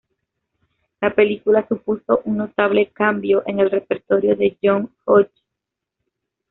La película supuso un notable cambio en el repertorio de John Hughes.